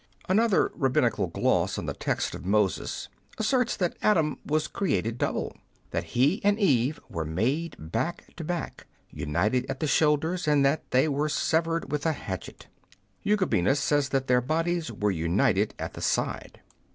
Another Rabbinical gloss on the text of Moses asserts that Adam was created double ; that he and Eve were made back to back, united at the shoulders, and that they were severed with a hatchet. Eugubinus says that their bodies were united at the side.